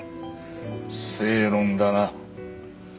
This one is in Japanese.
正論だな。